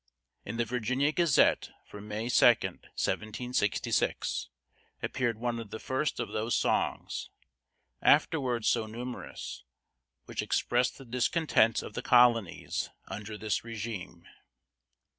In the Virginia Gazette for May 2, 1766, appeared one of the first of those songs, afterwards so numerous, which expressed the discontent of the colonies under this régime.